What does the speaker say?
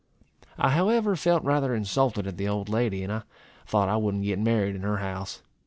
I however felt rather insulted at the old lady, and I thought I wouldn't get married in her house.